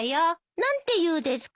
何て言うですか？